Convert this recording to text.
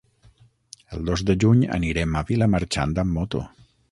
El dos de juny anirem a Vilamarxant amb moto.